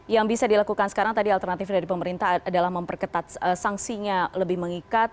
yang bisa dilakukan sekarang tadi alternatif dari pemerintah adalah memperketat sanksinya lebih mengikat